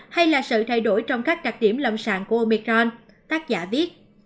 hay là sự thay đổi trong các đặc điểm lâm sàng của omecron tác giả viết